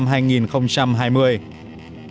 hẹn gặp lại các bạn trong những video tiếp theo